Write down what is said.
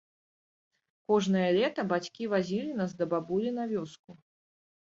Кожнае лета бацькі вазілі нас да бабулі на вёску.